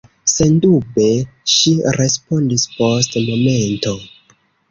Sendube, ŝi respondis post momento.